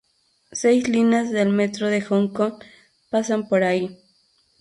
Seis líneas del metro de Hong Kong pasan por aquí.